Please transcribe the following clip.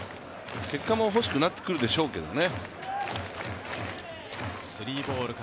結果もほしくなってくるでしょうけどね。